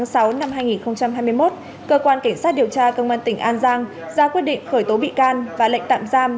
cơ quan cảnh sát điều tra công an tỉnh an giang ra quyết định khởi tố bị can và lệnh tạm giam